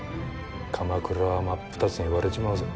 鎌倉は真っ二つに割れちまうぞ。